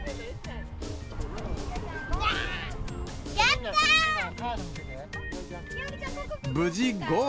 やったー！